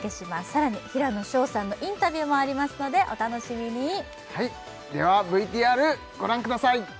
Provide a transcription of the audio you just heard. さらに平野紫耀さんのインタビューもありますのでお楽しみにではＶＴＲご覧ください